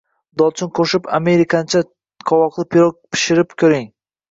Dolchin qo‘shib amerikancha qovoqli pirog pishirib ko‘ring